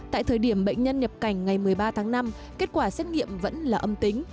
tại thời điểm bệnh nhân nhập cảnh ngày một mươi ba tháng năm kết quả xét nghiệm vẫn là âm tính